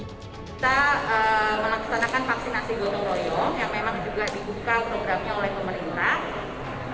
kita melaksanakan vaksinasi gotong royong yang memang juga dibuka programnya oleh pemerintah